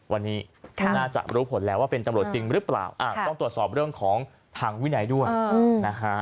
วันนี้น่าจะรู้ผลแล้วว่าเป็นตำรวจจริงหรือเปล่าต้องตรวจสอบเรื่องของทางวินัยด้วยนะฮะ